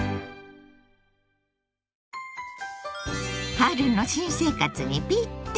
春の新生活にピッタリ！